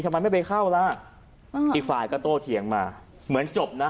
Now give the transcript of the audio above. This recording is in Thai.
ทำไมไม่ไปเข้าล่ะอีกฝ่ายก็โตเถียงมาเหมือนจบนะ